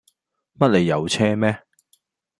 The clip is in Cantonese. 乜你有車咩